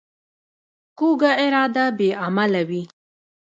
کوږه اراده بې عمله وي